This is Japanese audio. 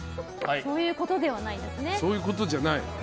そういうことではないんですね。